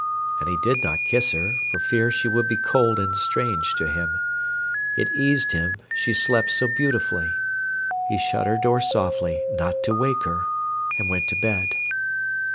And he did not kiss her, for fear she should be cold and strange to him. It eased him she slept so beautifully. He shut her door softly, not to wake her, and went to bed.